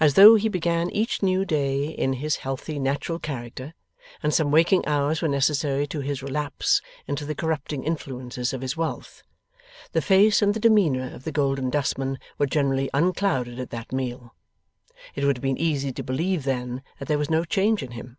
As though he began each new day in his healthy natural character, and some waking hours were necessary to his relapse into the corrupting influences of his wealth, the face and the demeanour of the Golden Dustman were generally unclouded at that meal. It would have been easy to believe then, that there was no change in him.